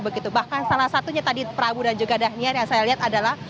begitu bahkan salah satunya tadi prabu dan juga dhaniar yang saya lihat adalah